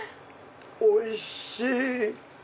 おいしい！